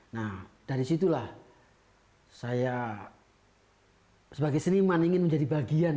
nah dari situlah saya sebagai seniman ingin menjadi bagian